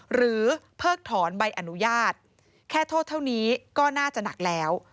เพิกถอนใบอนุญาตแค่โทษเท่านี้ก็น่าจะหนักแล้ว